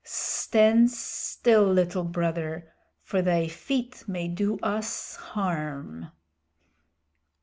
"Stand still, Little Brother, for thy feet may do us harm."